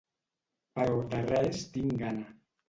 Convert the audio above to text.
Però de res tinc gana.